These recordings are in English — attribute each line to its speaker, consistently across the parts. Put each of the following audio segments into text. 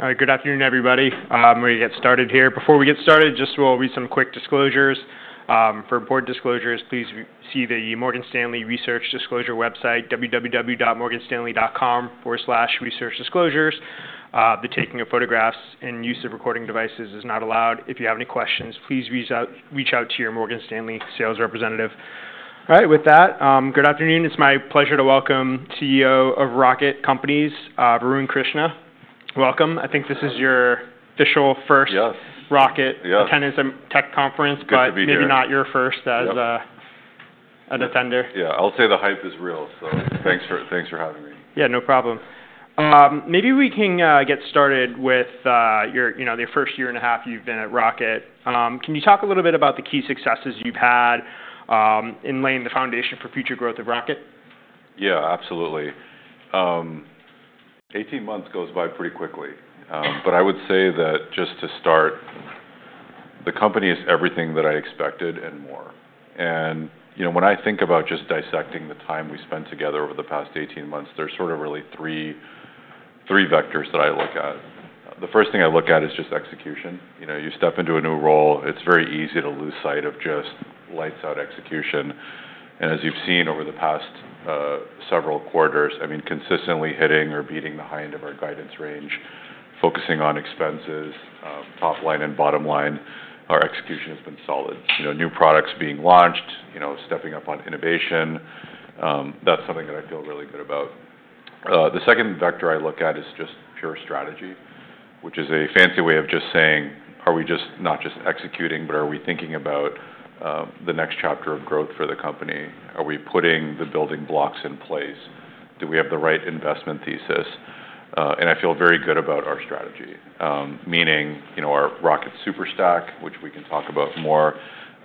Speaker 1: All right. Good afternoon, everybody. We're gonna get started here. Before we get started, just, well, read some quick disclosures. For important disclosures, please see the Morgan Stanley Research Disclosure website, www.morganstanley.com/researchdisclosures. The taking of photographs and use of recording devices is not allowed. If you have any questions, please reach out to your Morgan Stanley sales representative. All right. With that, good afternoon. It's my pleasure to welcome CEO of Rocket Companies, Varun Krishna. Welcome. I think this is your official first.
Speaker 2: Yes.
Speaker 1: Rocket.
Speaker 2: Yes.
Speaker 1: Attendance at Tech Conference, but.
Speaker 2: Good to be here.
Speaker 1: Maybe not your first as an attendee.
Speaker 2: Yeah. I'll say the hype is real, so thanks for having me.
Speaker 1: Yeah. No problem. Maybe we can get started with your, you know, the first year and a half you've been at Rocket. Can you talk a little bit about the key successes you've had in laying the foundation for future growth of Rocket?
Speaker 2: Yeah. Absolutely. 18 months goes by pretty quickly. But I would say that just to start, the company is everything that I expected and more. And, you know, when I think about just dissecting the time we spent together over the past 18 months, there's sort of really three, three vectors that I look at. The first thing I look at is just execution. You know, you step into a new role, it's very easy to lose sight of just lights-out execution. And as you've seen over the past, several quarters, I mean, consistently hitting or beating the high end of our guidance range, focusing on expenses, top line and bottom line, our execution has been solid. You know, new products being launched, you know, stepping up on innovation, that's something that I feel really good about. The second vector I look at is just pure strategy, which is a fancy way of just saying, are we just not just executing, but are we thinking about the next chapter of growth for the company? Are we putting the building blocks in place? Do we have the right investment thesis, and I feel very good about our strategy, meaning, you know, our Rocket Super Stack, which we can talk about more,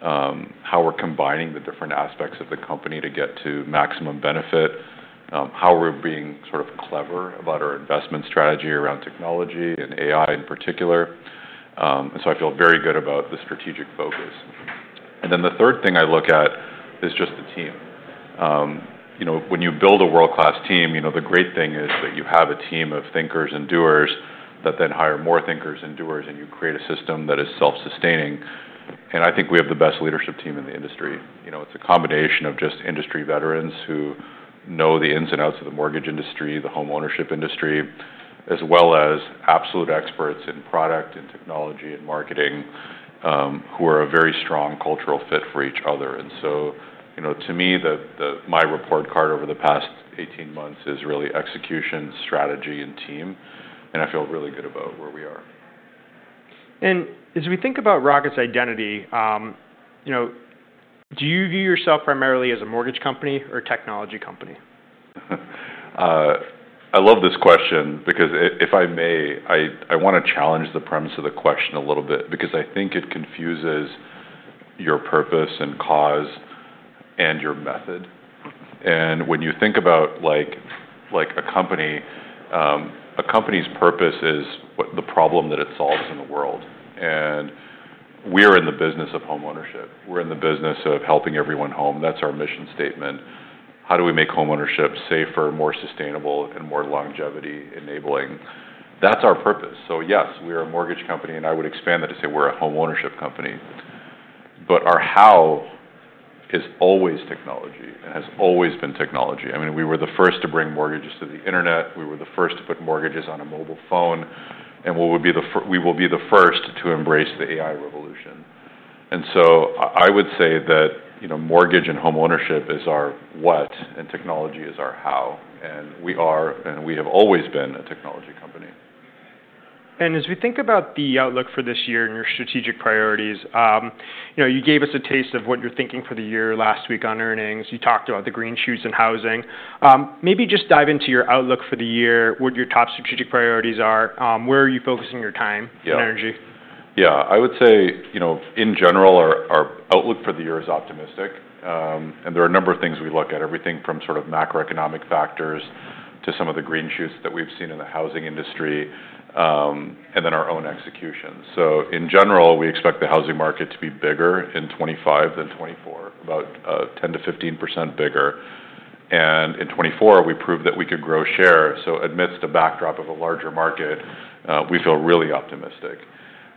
Speaker 2: how we're combining the different aspects of the company to get to maximum benefit, how we're being sort of clever about our investment strategy around technology and AI in particular, and so I feel very good about the strategic focus, and then the third thing I look at is just the team. You know, when you build a world-class team, you know, the great thing is that you have a team of thinkers and doers that then hire more thinkers and doers, and you create a system that is self-sustaining. And I think we have the best leadership team in the industry. You know, it's a combination of just industry veterans who know the ins and outs of the mortgage industry, the homeownership industry, as well as absolute experts in product and technology and marketing, who are a very strong cultural fit for each other. And so, you know, to me, my report card over the past 18 months is really execution, strategy, and team. And I feel really good about where we are.
Speaker 1: As we think about Rocket's identity, you know, do you view yourself primarily as a mortgage company or technology company?
Speaker 2: I love this question because if I may, I wanna challenge the premise of the question a little bit because I think it confuses your purpose and cause and your method. And when you think about, like, a company, a company's purpose is what the problem that it solves in the world. And we are in the business of homeownership. We're in the business of helping everyone home. That's our mission statement. How do we make homeownership safer, more sustainable, and more longevity-enabling? That's our purpose. So yes, we are a mortgage company, and I would expand that to say we're a homeownership company. But our how is always technology and has always been technology. I mean, we were the first to bring mortgages to the internet. We were the first to put mortgages on a mobile phone. We will be the first to embrace the AI revolution. So I would say that, you know, mortgage and homeownership is our what, and technology is our how. We are, and we have always been a technology company.
Speaker 1: And as we think about the outlook for this year and your strategic priorities, you know, you gave us a taste of what you're thinking for the year last week on earnings. You talked about the green shoots and housing. Maybe just dive into your outlook for the year, what your top strategic priorities are. Where are you focusing your time and energy?
Speaker 2: Yeah. Yeah. I would say, you know, in general, our outlook for the year is optimistic, and there are a number of things we look at, everything from sort of macroeconomic factors to some of the green shoots that we've seen in the housing industry, and then our own execution. So in general, we expect the housing market to be bigger in 2025 than 2024, about 10%-15% bigger. And in 2024, we proved that we could grow share. So amidst a backdrop of a larger market, we feel really optimistic.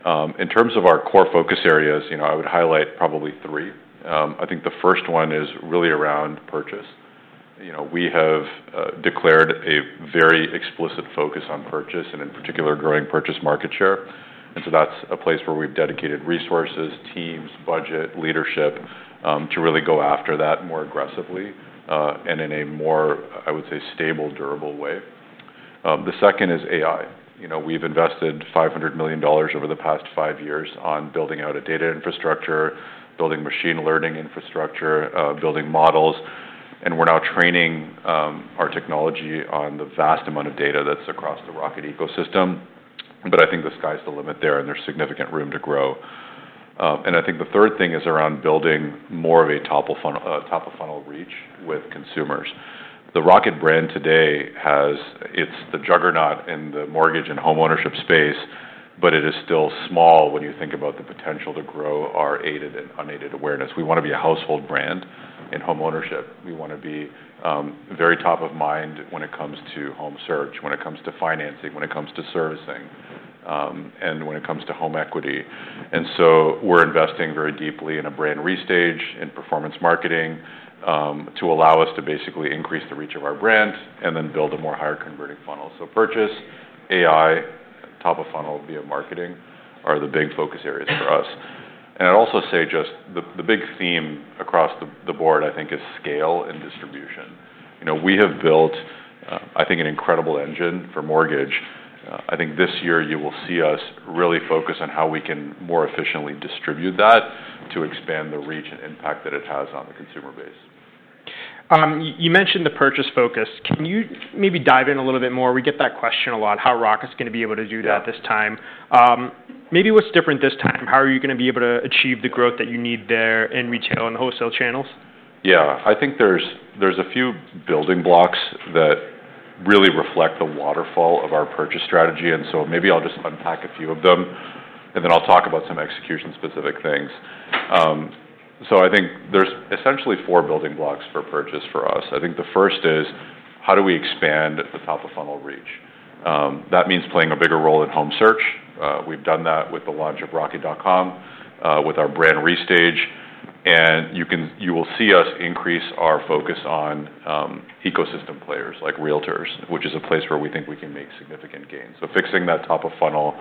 Speaker 2: In terms of our core focus areas, you know, I would highlight probably three. I think the first one is really around purchase. You know, we have declared a very explicit focus on purchase and, in particular, growing purchase market share. And so that's a place where we've dedicated resources, teams, budget, leadership, to really go after that more aggressively, and in a more, I would say, stable, durable way. The second is AI. You know, we've invested $500 million over the past five years on building out a data infrastructure, building machine learning infrastructure, building models. And we're now training our technology on the vast amount of data that's across the Rocket ecosystem. But I think the sky's the limit there, and there's significant room to grow. And I think the third thing is around building more of a top-of-funnel, top-of-funnel reach with consumers. The Rocket brand today has. It's the juggernaut in the mortgage and homeownership space, but it is still small when you think about the potential to grow our aided and unaided awareness. We wanna be a household brand in homeownership. We wanna be very top of mind when it comes to home search, when it comes to financing, when it comes to servicing, and when it comes to home equity. And so we're investing very deeply in a brand restage, in performance marketing, to allow us to basically increase the reach of our brand and then build a more higher converting funnel. So purchase, AI, top-of-funnel via marketing are the big focus areas for us. And I'd also say just the big theme across the board, I think, is scale and distribution. You know, we have built, I think, an incredible engine for mortgage. I think this year you will see us really focus on how we can more efficiently distribute that to expand the reach and impact that it has on the consumer base.
Speaker 1: You mentioned the purchase focus. Can you maybe dive in a little bit more? We get that question a lot, how Rocket's gonna be able to do that this time. Maybe what's different this time? How are you gonna be able to achieve the growth that you need there in retail and wholesale channels?
Speaker 2: Yeah. I think there's, there's a few building blocks that really reflect the waterfall of our purchase strategy. And so maybe I'll just unpack a few of them, and then I'll talk about some execution-specific things. So I think there's essentially four building blocks for purchase for us. I think the first is how do we expand the top-of-funnel reach? That means playing a bigger role in home search. We've done that with the launch of Rocket.com, with our brand restage. And you can, you will see us increase our focus on, ecosystem players like Realtors, which is a place where we think we can make significant gains. So fixing that top-of-funnel,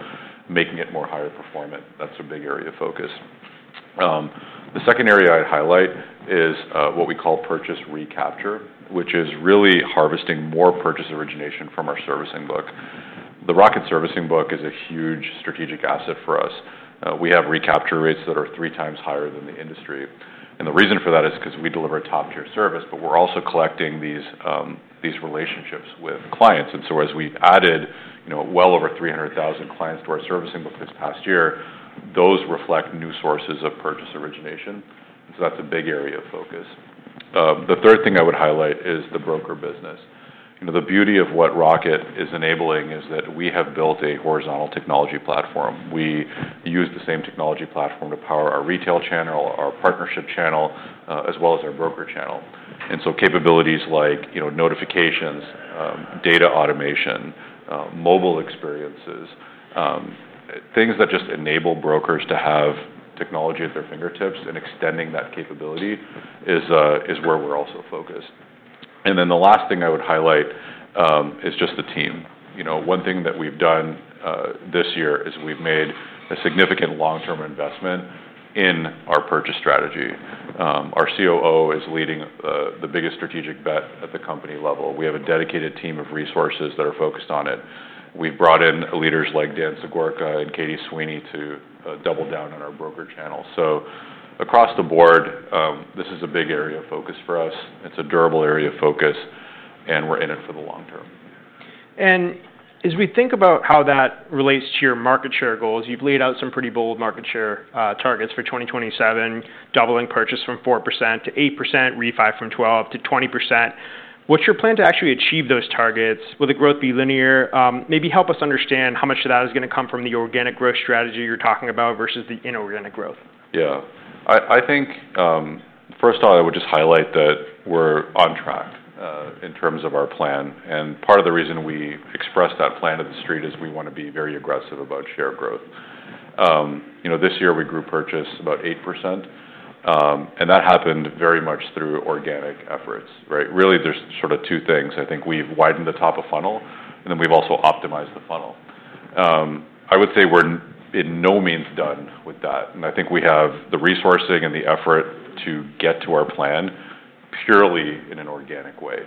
Speaker 2: making it more higher performant, that's a big area of focus. The second area I'd highlight is, what we call purchase recapture, which is really harvesting more purchase origination from our servicing book. The Rocket Servicing Book is a huge strategic asset for us. We have recapture rates that are three times higher than the industry and the reason for that is 'cause we deliver top-tier service, but we're also collecting these relationships with clients and so as we've added, you know, well over 300,000 clients to our servicing book this past year, those reflect new sources of purchase origination and so that's a big area of focus. The third thing I would highlight is the broker business. You know, the beauty of what Rocket is enabling is that we have built a horizontal technology platform. We use the same technology platform to power our retail channel, our partnership channel, as well as our broker channel. And so capabilities like, you know, notifications, data automation, mobile experiences, things that just enable brokers to have technology at their fingertips and extending that capability is where we're also focused. And then the last thing I would highlight is just the team. You know, one thing that we've done this year is we've made a significant long-term investment in our purchase strategy. Our COO is leading the biggest strategic bet at the company level. We have a dedicated team of resources that are focused on it. We've brought in leaders like Dan Sogorka and Katie Sweeney to double down on our broker channel. So across the board, this is a big area of focus for us. It's a durable area of focus, and we're in it for the long term.
Speaker 1: As we think about how that relates to your market share goals, you've laid out some pretty bold market share targets for 2027, doubling purchase from 4% to 8%, refi from 12% to 20%. What's your plan to actually achieve those targets? Will the growth be linear? Maybe help us understand how much of that is gonna come from the organic growth strategy you're talking about versus the inorganic growth.
Speaker 2: Yeah. I, I think, first off, I would just highlight that we're on track, in terms of our plan, and part of the reason we expressed that plan to the street is we wanna be very aggressive about share growth. You know, this year we grew purchase about 8%, and that happened very much through organic efforts, right? Really, there's sort of two things. I think we've widened the top-of-funnel, and then we've also optimized the funnel. I would say we're in no means done with that, and I think we have the resourcing and the effort to get to our plan purely in an organic way,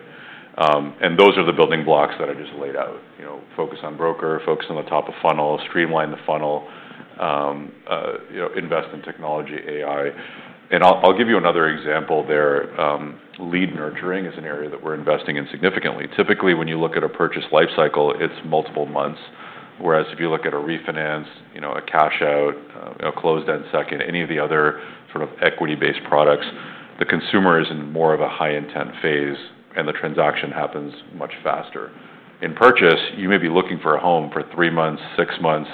Speaker 2: and those are the building blocks that I just laid out, you know, focus on broker, focus on the top-of-funnel, streamline the funnel, you know, invest in technology, AI, and I'll, I'll give you another example there. Lead nurturing is an area that we're investing in significantly. Typically, when you look at a purchase lifecycle, it's multiple months. Whereas if you look at a refinance, you know, a cash-out, you know, closed-end second, any of the other sort of equity-based products, the consumer is in more of a high-intent phase, and the transaction happens much faster. In purchase, you may be looking for a home for three months, six months.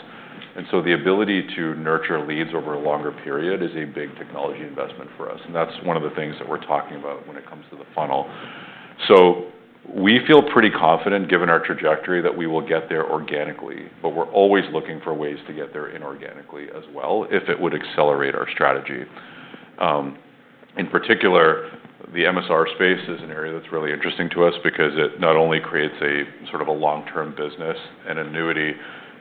Speaker 2: And so the ability to nurture leads over a longer period is a big technology investment for us. And that's one of the things that we're talking about when it comes to the funnel. So we feel pretty confident, given our trajectory, that we will get there organically. But we're always looking for ways to get there inorganically as well if it would accelerate our strategy. In particular, the MSR space is an area that's really interesting to us because it not only creates a sort of a long-term business and annuity,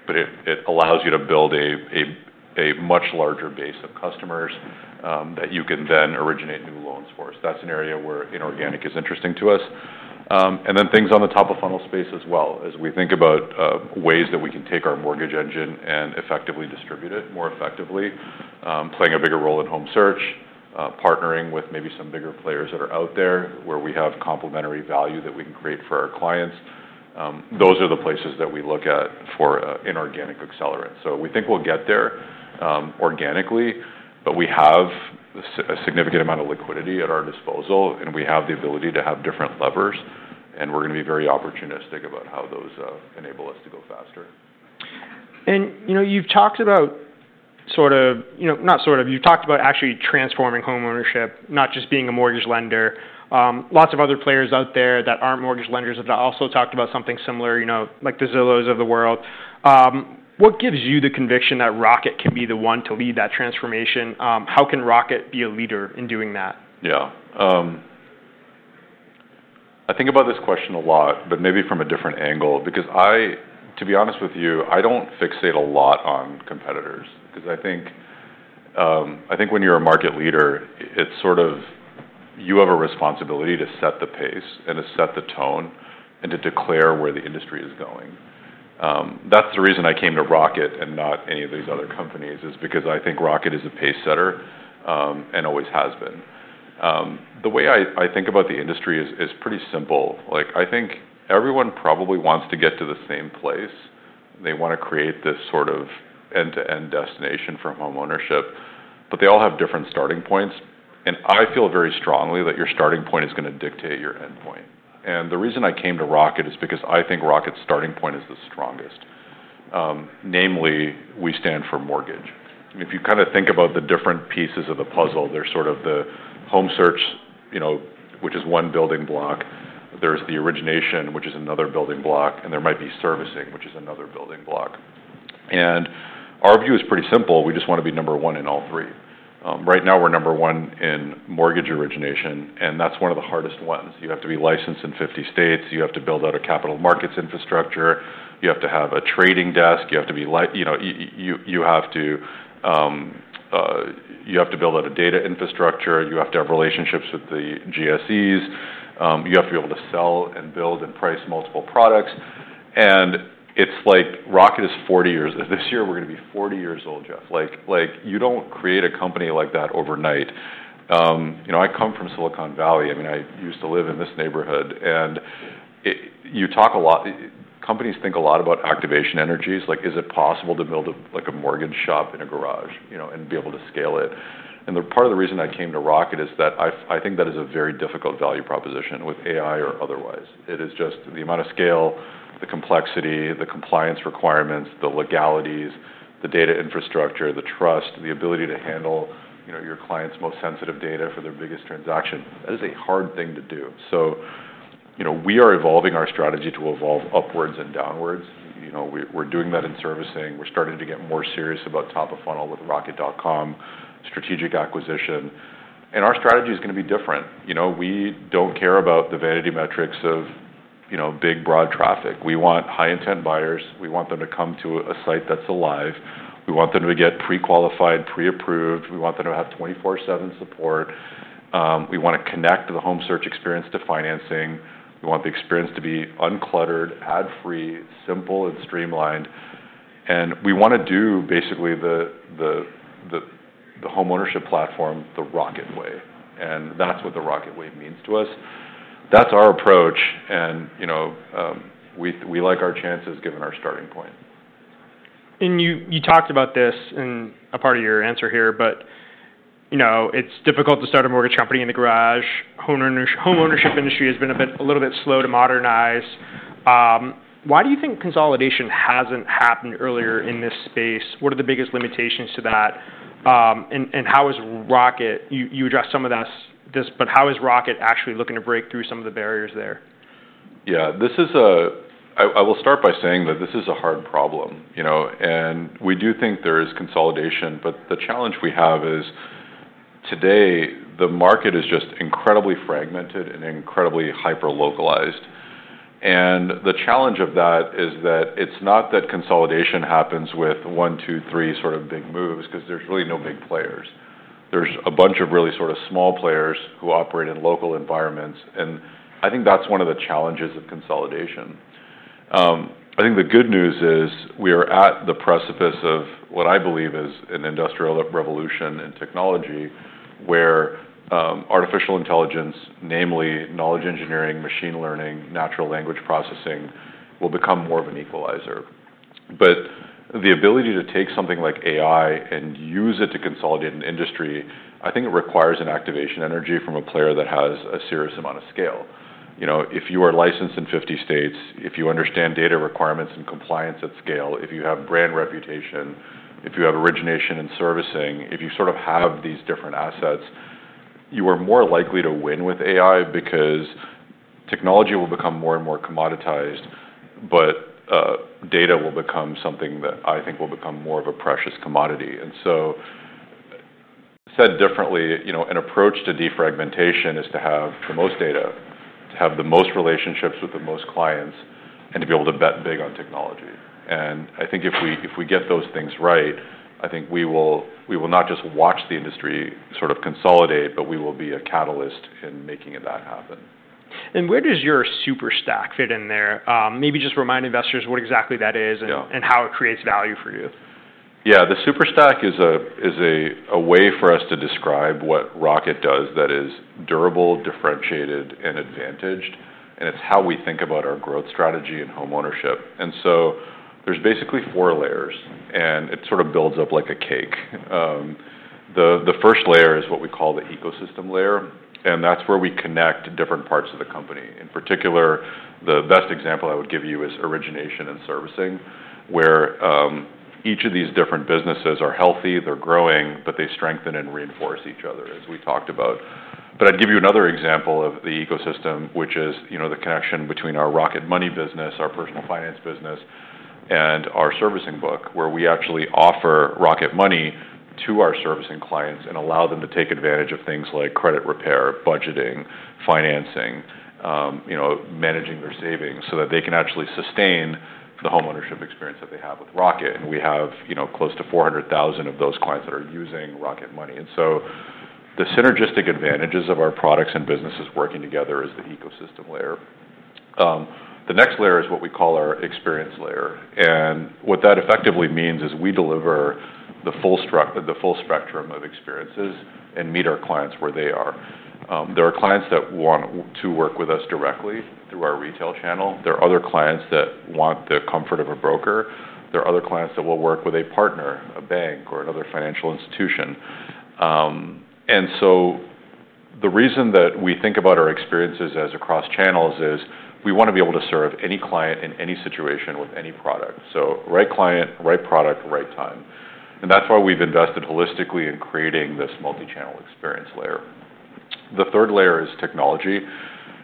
Speaker 2: but it allows you to build a much larger base of customers that you can then originate new loans for us. That's an area where inorganic is interesting to us. And then things on the top-of-funnel space as well as we think about ways that we can take our mortgage engine and effectively distribute it more effectively, playing a bigger role in home search, partnering with maybe some bigger players that are out there where we have complementary value that we can create for our clients. Those are the places that we look at for inorganic accelerants. So we think we'll get there, organically, but we have a significant amount of liquidity at our disposal, and we have the ability to have different levers. And we're gonna be very opportunistic about how those enable us to go faster.
Speaker 1: You know, you've talked about sort of, you know, not sort of, you've talked about actually transforming homeownership, not just being a mortgage lender. Lots of other players out there that aren't mortgage lenders have also talked about something similar, you know, like the Zillow of the world. What gives you the conviction that Rocket can be the one to lead that transformation? How can Rocket be a leader in doing that?
Speaker 2: Yeah. I think about this question a lot, but maybe from a different angle because I, to be honest with you, I don't fixate a lot on competitors 'cause I think when you're a market leader, it's sort of you have a responsibility to set the pace and to set the tone and to declare where the industry is going. That's the reason I came to Rocket and not any of these other companies is because I think Rocket is a pace setter, and always has been. The way I think about the industry is pretty simple. Like, I think everyone probably wants to get to the same place. They wanna create this sort of end-to-end destination for homeownership, but they all have different starting points. And I feel very strongly that your starting point is gonna dictate your end point. The reason I came to Rocket is because I think Rocket's starting point is the strongest, namely we stand for mortgage. If you kind of think about the different pieces of the puzzle, there's sort of the home search, you know, which is one building block. There's the origination, which is another building block, and there might be servicing, which is another building block. Our view is pretty simple. We just wanna be number one in all three. Right now we're number one in mortgage origination, and that's one of the hardest ones. You have to be licensed in 50 states. You have to build out a capital markets infrastructure. You have to have a trading desk. You have to be liquid, you know. You have to build out a data infrastructure. You have to have relationships with the GSEs. You have to be able to sell and build and price multiple products. And it's like Rocket is 40 years. This year we're gonna be 40 years old, Jeff. Like, you don't create a company like that overnight. You know, I come from Silicon Valley. I mean, I used to live in this neighborhood. And it, you talk a lot. Companies think a lot about activation energies. Like, is it possible to build a, like, a mortgage shop in a garage, you know, and be able to scale it? And the part of the reason I came to Rocket is that I think that is a very difficult value proposition with AI or otherwise. It is just the amount of scale, the complexity, the compliance requirements, the legalities, the data infrastructure, the trust, the ability to handle, you know, your client's most sensitive data for their biggest transaction. That is a hard thing to do, so you know, we are evolving our strategy to evolve upwards and downwards. You know, we're doing that in servicing. We're starting to get more serious about top-of-funnel with Rocket.com, strategic acquisition. Our strategy is gonna be different. You know, we don't care about the vanity metrics of, you know, big, broad traffic. We want high-intent buyers. We want them to come to a site that's alive. We want them to get pre-qualified, pre-approved. We want them to have 24/7 support. We wanna connect the home search experience to financing. We want the experience to be uncluttered, ad-free, simple, and streamlined. We wanna do basically the homeownership platform the Rocket Way. That's what the Rocket Way means to us. That's our approach. You know, we like our chances given our starting point.
Speaker 1: You talked about this in a part of your answer here, but, you know, it's difficult to start a mortgage company in the garage. Homeownership industry has been a bit, a little bit slow to modernize. Why do you think consolidation hasn't happened earlier in this space? What are the biggest limitations to that? And how has Rocket addressed some of this, but how is Rocket actually looking to break through some of the barriers there?
Speaker 2: Yeah. This is a. I will start by saying that this is a hard problem, you know, and we do think there is consolidation, but the challenge we have is today, the market is just incredibly fragmented and incredibly hyper-localized. And the challenge of that is that it's not that consolidation happens with one, two, three sort of big moves 'cause there's really no big players. There's a bunch of really sort of small players who operate in local environments, and I think that's one of the challenges of consolidation. I think the good news is we are at the precipice of what I believe is an industrial revolution in technology where artificial intelligence, namely knowledge engineering, machine learning, natural language processing will become more of an equalizer. But the ability to take something like AI and use it to consolidate an industry, I think it requires an activation energy from a player that has a serious amount of scale. You know, if you are licensed in 50 states, if you understand data requirements and compliance at scale, if you have brand reputation, if you have origination and servicing, if you sort of have these different assets, you are more likely to win with AI because technology will become more and more commoditized, but, data will become something that I think will become more of a precious commodity. And so, said differently, you know, an approach to defragmentation is to have the most data, to have the most relationships with the most clients, and to be able to bet big on technology. I think if we, if we get those things right, I think we will, we will not just watch the industry sort of consolidate, but we will be a catalyst in making that happen.
Speaker 1: Where does your Super Stack fit in there? Maybe just remind investors what exactly that is and how it creates value for you.
Speaker 2: Yeah. The Super Stack is a way for us to describe what Rocket does that is durable, differentiated, and advantaged. It's how we think about our growth strategy and homeownership. So there's basically four layers, and it sort of builds up like a cake. The first layer is what we call the ecosystem layer, and that's where we connect different parts of the company. In particular, the best example I would give you is origination and servicing where each of these different businesses are healthy, they're growing, but they strengthen and reinforce each other as we talked about. But I'd give you another example of the ecosystem, which is, you know, the connection between our Rocket Money business, our personal finance business, and our servicing book where we actually offer Rocket Money to our servicing clients and allow them to take advantage of things like credit repair, budgeting, financing, you know, managing their savings so that they can actually sustain the homeownership experience that they have with Rocket. And we have, you know, close to 400,000 of those clients that are using Rocket Money. And so the synergistic advantages of our products and businesses working together is the ecosystem layer. The next layer is what we call our experience layer. And what that effectively means is we deliver the full stack, the full spectrum of experiences and meet our clients where they are. There are clients that want to work with us directly through our retail channel. There are other clients that want the comfort of a broker. There are other clients that will work with a partner, a bank, or another financial institution, and so the reason that we think about our experiences as across channels is we wanna be able to serve any client in any situation with any product, so right client, right product, right time, and that's why we've invested holistically in creating this multi-channel experience layer. The third layer is technology,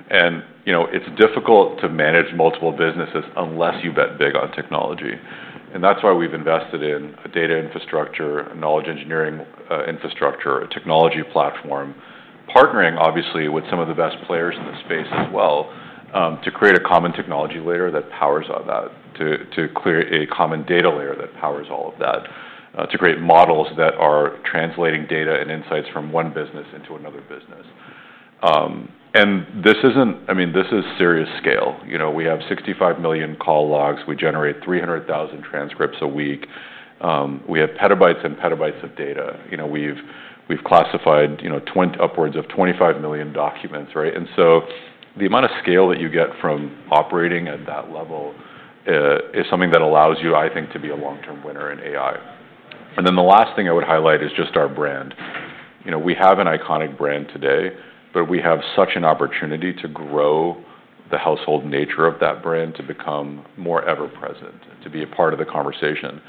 Speaker 2: and, you know, it's difficult to manage multiple businesses unless you bet big on technology. And that's why we've invested in a data infrastructure, a knowledge engineering infrastructure, a technology platform, partnering obviously with some of the best players in the space as well, to create a common technology layer that powers all that, to clear a common data layer that powers all of that, to create models that are translating data and insights from one business into another business. And this isn't, I mean, this is serious scale. You know, we have 65 million call logs. We generate 300,000 transcripts a week. We have petabytes and petabytes of data. You know, we've classified, you know, upwards of 25 million documents, right? And so the amount of scale that you get from operating at that level is something that allows you, I think, to be a long-term winner in AI. And then the last thing I would highlight is just our brand. You know, we have an iconic brand today, but we have such an opportunity to grow the household nature of that brand to become more ever-present, to be a part of the conversation.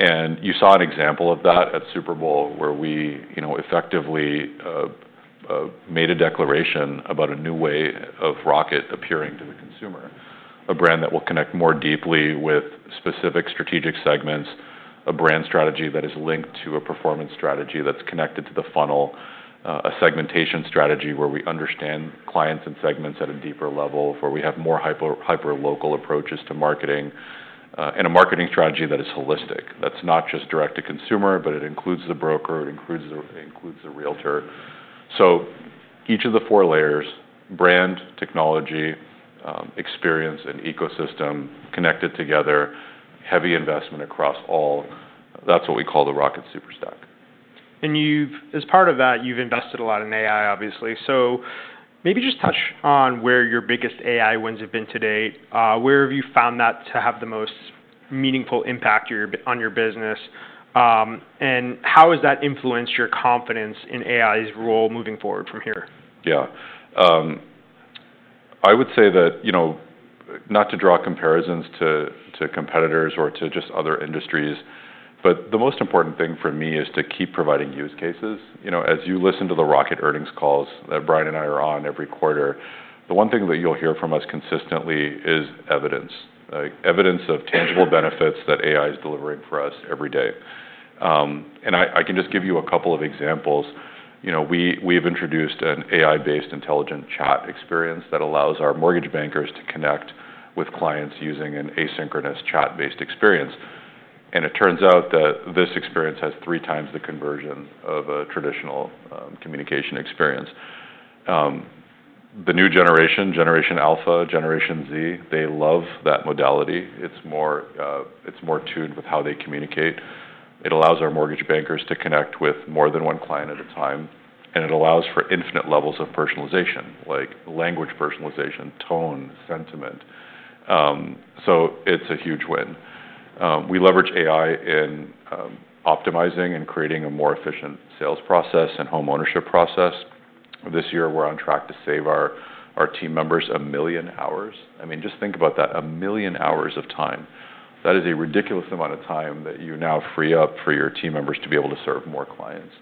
Speaker 2: And you saw an example of that at Super Bowl where we, you know, effectively, made a declaration about a new way of Rocket appearing to the consumer, a brand that will connect more deeply with specific strategic segments, a brand strategy that is linked to a performance strategy that's connected to the funnel, a segmentation strategy where we understand clients and segments at a deeper level, where we have more hypo, hyper-local approaches to marketing, and a marketing strategy that is holistic. That's not just direct to consumer, but it includes the broker, it includes the realtor. So each of the four layers: brand, technology, experience, and ecosystem connected together, heavy investment across all. That's what we call the Rocket Super Stack.
Speaker 1: And you've, as part of that, you've invested a lot in AI, obviously. So maybe just touch on where your biggest AI wins have been to date. Where have you found that to have the most meaningful impact on your business? And how has that influenced your confidence in AI's role moving forward from here?
Speaker 2: Yeah. I would say that, you know, not to draw comparisons to competitors or to just other industries, but the most important thing for me is to keep providing use cases. You know, as you listen to the Rocket earnings calls that Brian and I are on every quarter, the one thing that you'll hear from us consistently is evidence, like evidence of tangible benefits that AI is delivering for us every day. And I can just give you a couple of examples. You know, we've introduced an AI-based intelligent chat experience that allows our mortgage bankers to connect with clients using an asynchronous chat-based experience. And it turns out that this experience has three times the conversion of a traditional communication experience. The new generation, Generation Alpha, Generation Z, they love that modality. It's more tuned with how they communicate. It allows our mortgage bankers to connect with more than one client at a time, and it allows for infinite levels of personalization, like language personalization, tone, sentiment. So it's a huge win. We leverage AI in optimizing and creating a more efficient sales process and homeownership process. This year, we're on track to save our team members a million hours. I mean, just think about that: a million hours of time. That is a ridiculous amount of time that you now free up for your team members to be able to serve more clients.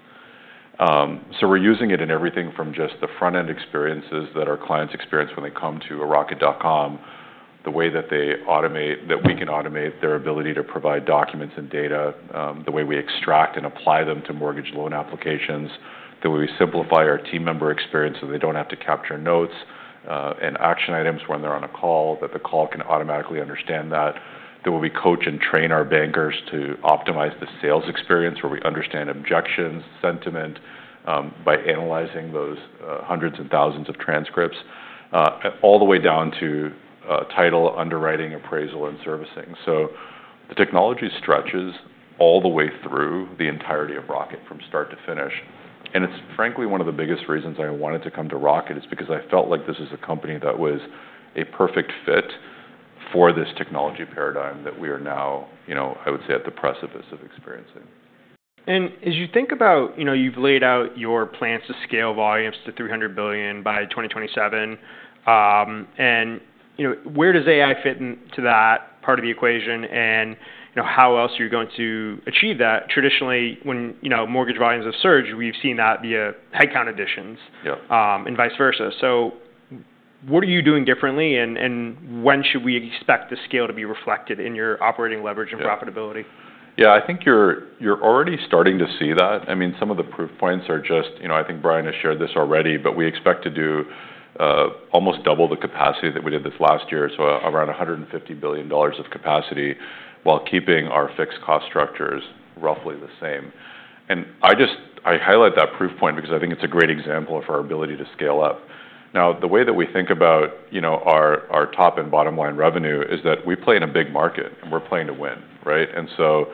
Speaker 2: So we're using it in everything from just the front-end experiences that our clients experience when they come to a Rocket.com, the way that we automate, that we can automate their ability to provide documents and data, the way we extract and apply them to mortgage loan applications, the way we simplify our team member experience so they don't have to capture notes, and action items when they're on a call, that the call can automatically understand that. That we coach and train our bankers to optimize the sales experience where we understand objections, sentiment, by analyzing those, hundreds and thousands of transcripts, all the way down to title, underwriting, appraisal, and servicing. So the technology stretches all the way through the entirety of Rocket from start to finish. It's frankly one of the biggest reasons I wanted to come to Rocket is because I felt like this is a company that was a perfect fit for this technology paradigm that we are now, you know, I would say at the precipice of experiencing.
Speaker 1: And as you think about, you know, you've laid out your plans to scale volumes to $300 billion by 2027. And, you know, where does AI fit into that part of the equation? And, you know, how else are you going to achieve that? Traditionally, when, you know, mortgage volumes have surged, we've seen that via headcount additions.
Speaker 2: Yeah.
Speaker 1: and vice versa. So what are you doing differently? And when should we expect the scale to be reflected in your operating leverage and profitability?
Speaker 2: Yeah. I think you're already starting to see that. I mean, some of the proof points are just, you know, I think Brian has shared this already, but we expect to do almost double the capacity that we did this last year. So around $150 billion of capacity while keeping our fixed cost structures roughly the same. And I just, I highlight that proof point because I think it's a great example of our ability to scale up. Now, the way that we think about, you know, our top and bottom line revenue is that we play in a big market and we're playing to win, right? And so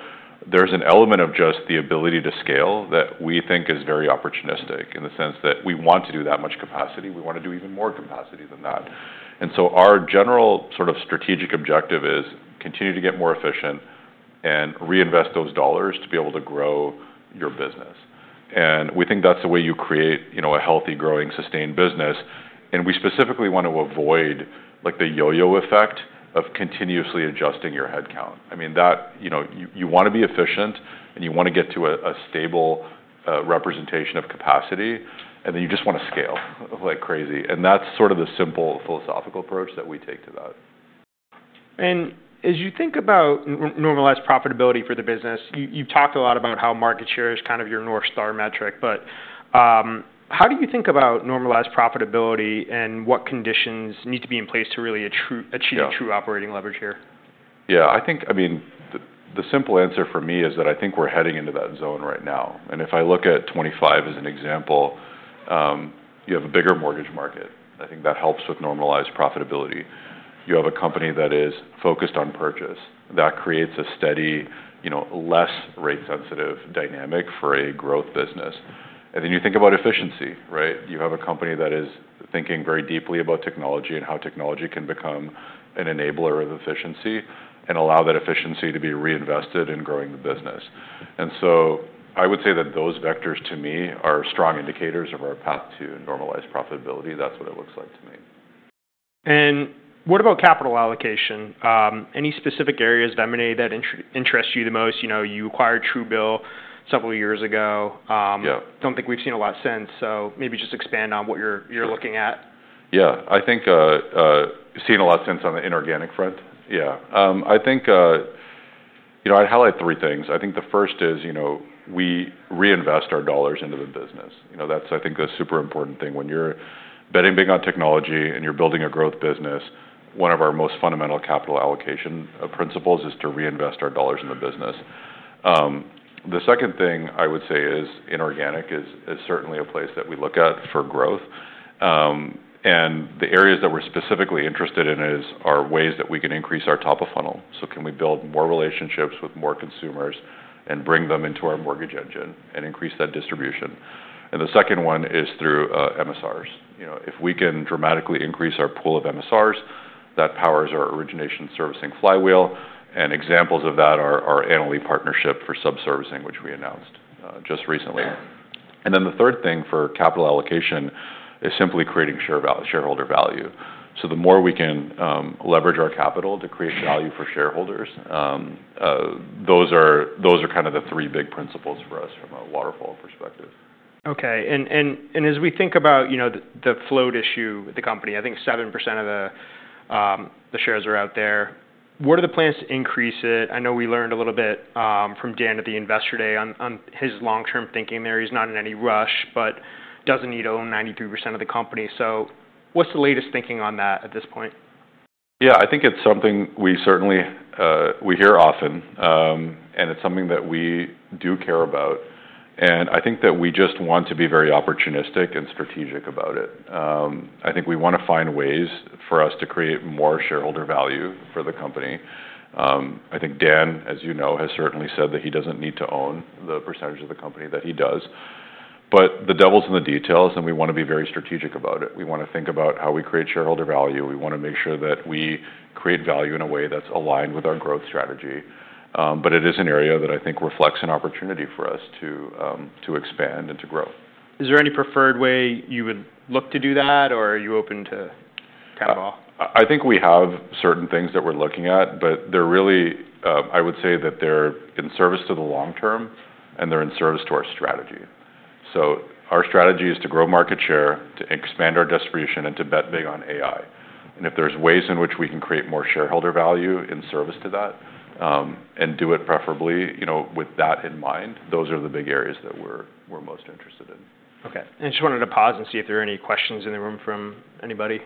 Speaker 2: there's an element of just the ability to scale that we think is very opportunistic in the sense that we want to do that much capacity. We wanna do even more capacity than that. So our general sort of strategic objective is continue to get more efficient and reinvest those dollars to be able to grow your business. We think that's the way you create, you know, a healthy, growing, sustained business. We specifically wanna avoid, like, the yo-yo effect of continuously adjusting your headcount. I mean, that, you know, you wanna be efficient and you wanna get to a stable representation of capacity, and then you just wanna scale like crazy. That's sort of the simple philosophical approach that we take to that.
Speaker 1: As you think about normalized profitability for the business, you've talked a lot about how market share is kind of your North Star metric, but how do you think about normalized profitability and what conditions need to be in place to really achieve true operating leverage here?
Speaker 2: Yeah. I think, I mean, the simple answer for me is that I think we're heading into that zone right now. And if I look at 2025 as an example, you have a bigger mortgage market. I think that helps with normalized profitability. You have a company that is focused on purchase that creates a steady, you know, less rate-sensitive dynamic for a growth business. And then you think about efficiency, right? You have a company that is thinking very deeply about technology and how technology can become an enabler of efficiency and allow that efficiency to be reinvested in growing the business. And so I would say that those vectors to me are strong indicators of our path to normalized profitability. That's what it looks like to me.
Speaker 1: What about capital allocation? Any specific areas of M&A that interest you the most? You know, you acquired Truebill several years ago.
Speaker 2: Yeah.
Speaker 1: Don't think we've seen a lot since. So maybe just expand on what you're looking at.
Speaker 2: Yeah. I think, seeing a lot of sense on the inorganic front. Yeah. I think, you know, I'd highlight three things. I think the first is, you know, we reinvest our dollars into the business. You know, that's, I think, a super important thing. When you're betting big on technology and you're building a growth business, one of our most fundamental capital allocation principles is to reinvest our dollars in the business. The second thing I would say is inorganic, is certainly a place that we look at for growth. And the areas that we're specifically interested in is our ways that we can increase our top of funnel. So can we build more relationships with more consumers and bring them into our mortgage engine and increase that distribution? And the second one is through MSRs. You know, if we can dramatically increase our pool of MSRs, that powers our origination servicing flywheel. And examples of that are our Annaly partnership for sub-servicing, which we announced just recently. And then the third thing for capital allocation is simply creating share value, shareholder value. So the more we can leverage our capital to create value for shareholders, those are kind of the three big principles for us from a waterfall perspective.
Speaker 1: Okay. And as we think about, you know, the float issue with the company, I think 7% of the shares are out there. What are the plans to increase it? I know we learned a little bit from Dan at the investor day on his long-term thinking there. He's not in any rush, but doesn't need to own 93% of the company. So what's the latest thinking on that at this point?
Speaker 2: Yeah. I think it's something we certainly, we hear often, and it's something that we do care about. And I think that we just want to be very opportunistic and strategic about it. I think we wanna find ways for us to create more shareholder value for the company. I think Dan, as you know, has certainly said that he doesn't need to own the percentage of the company that he does, but the devil's in the details, and we wanna be very strategic about it. We wanna think about how we create shareholder value. We wanna make sure that we create value in a way that's aligned with our growth strategy. But it is an area that I think reflects an opportunity for us to expand and to grow.
Speaker 1: Is there any preferred way you would look to do that, or are you open to kind of all?
Speaker 2: I think we have certain things that we're looking at, but they're really, I would say that they're in service to the long term and they're in service to our strategy. So our strategy is to grow market share, to expand our distribution, and to bet big on AI. And if there's ways in which we can create more shareholder value in service to that, and do it preferably, you know, with that in mind, those are the big areas that we're most interested in.
Speaker 1: Okay, and I just wanted to pause and see if there are any questions in the room from anybody.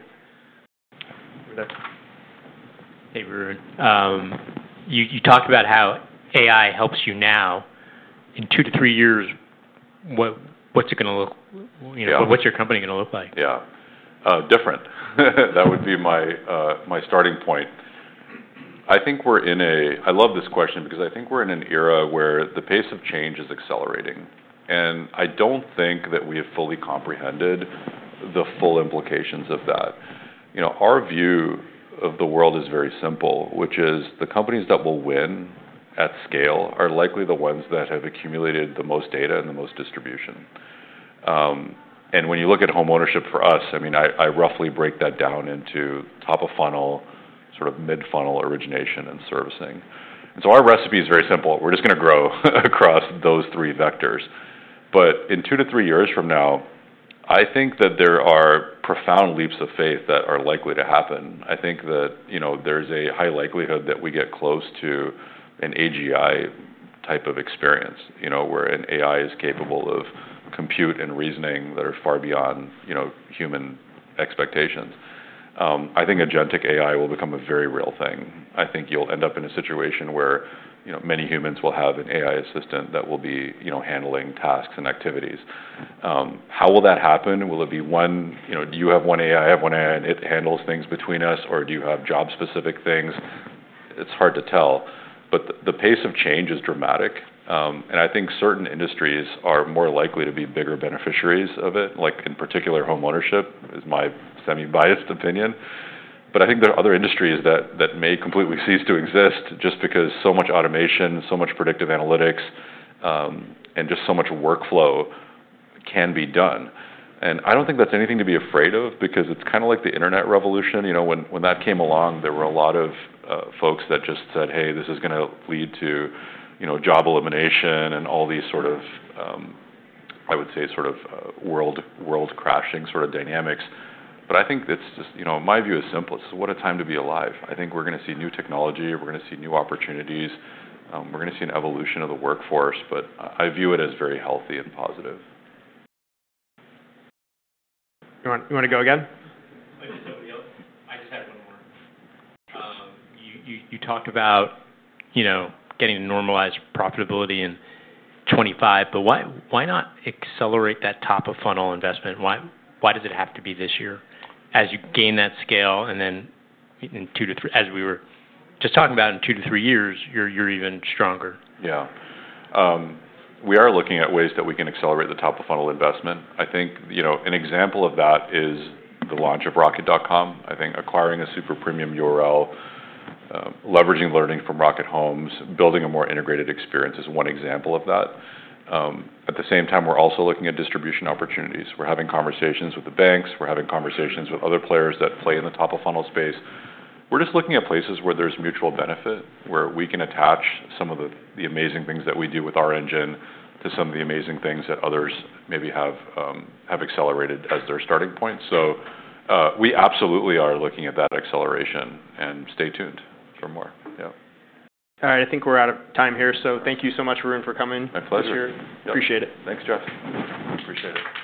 Speaker 1: Hey, Varun. You talked about how AI helps you now. In two to three years, what's it gonna look like? You know, what's your company gonna look like?
Speaker 2: Yeah. Different. That would be my starting point. I think we're in a. I love this question because I think we're in an era where the pace of change is accelerating, and I don't think that we have fully comprehended the full implications of that. You know, our view of the world is very simple, which is the companies that will win at scale are likely the ones that have accumulated the most data and the most distribution, and when you look at homeownership for us, I mean, I roughly break that down into top of funnel, sort of mid-funnel origination and servicing, and so our recipe is very simple. We're just gonna grow across those three vectors, but in two to three years from now, I think that there are profound leaps of faith that are likely to happen. I think that, you know, there's a high likelihood that we get close to an AGI type of experience, you know, where an AI is capable of compute and reasoning that are far beyond, you know, human expectations. I think agentic AI will become a very real thing. I think you'll end up in a situation where, you know, many humans will have an AI assistant that will be, you know, handling tasks and activities. How will that happen? Will it be one, you know, do you have one AI, I have one AI, and it handles things between us, or do you have job-specific things? It's hard to tell, but the pace of change is dramatic, and I think certain industries are more likely to be bigger beneficiaries of it, like in particular homeownership is my semi-biased opinion. But I think there are other industries that may completely cease to exist just because so much automation, so much predictive analytics, and just so much workflow can be done. And I don't think that's anything to be afraid of because it's kinda like the internet revolution. You know, when that came along, there were a lot of folks that just said, "Hey, this is gonna lead to, you know, job elimination and all these sort of, I would say sort of, world crashing sort of dynamics." But I think it's just, you know, my view is simple. It's what a time to be alive. I think we're gonna see new technology. We're gonna see new opportunities. We're gonna see an evolution of the workforce, but I view it as very healthy and positive.
Speaker 1: You want, you wanna go again? I just had one more. You talked about, you know, getting a normalized profitability in 2025, but why not accelerate that top of funnel investment? Why does it have to be this year as you gain that scale and then as we were just talking about in two to three years, you're even stronger?
Speaker 2: Yeah. We are looking at ways that we can accelerate the top of funnel investment. I think, you know, an example of that is the launch of Rocket.com. I think acquiring a super premium URL, leveraging learning from Rocket Homes, building a more integrated experience is one example of that. At the same time, we're also looking at distribution opportunities. We're having conversations with the banks. We're having conversations with other players that play in the top of funnel space. We're just looking at places where there's mutual benefit, where we can attach some of the amazing things that we do with our engine to some of the amazing things that others maybe have accelerated as their starting point. So, we absolutely are looking at that acceleration and stay tuned for more. Yeah.
Speaker 1: All right. I think we're out of time here. So thank you so much, Varun, for coming.
Speaker 2: My pleasure.
Speaker 1: This year. Appreciate it.
Speaker 2: Thanks, Jeff. Appreciate it.